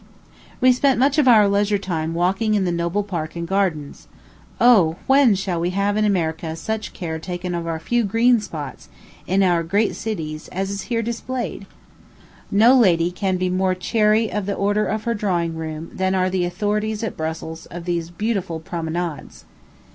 We spent much of our leisure time walking in the noble park and gardens. O, when shall we have in America such care taken of our few green spots, in our great cities, as is here displayed? No lady can be more chary of the order of her drawing room than are the authorities at Brussels of these beautiful promenades.